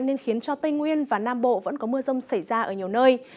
nên khiến cho tây nguyên và nam bộ vẫn có mưa rông xảy ra ở nhiều nơi